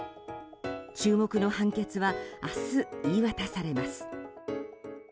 注目の判決は明日言い渡されます。